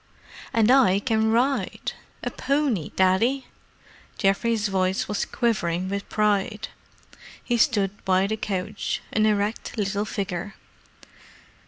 "And I can ride. A pony, Daddy!" Geoffrey's voice was quivering with pride. He stood by the couch, an erect little figure.